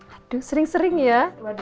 aduh sering sering ya